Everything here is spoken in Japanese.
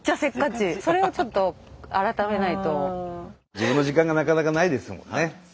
自分の時間がなかなかないですもんね。